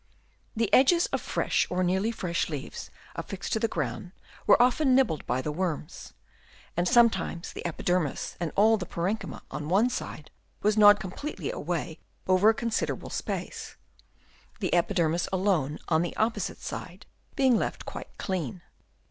The edges of fresh or nearly fresh leaves affixed to the ground were often nibbled by the worms ; and sometimes the epidermis and all the parenchyma on one side was gnawed completely away over a considerable space ; the epidermis alone on the opposite side being left quite clean.